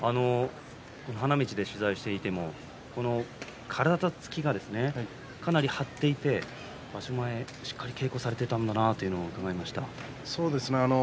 花道で取材していても体つきがかなり張っていて場所前しっかり稽古されていたんだなとうかがえました。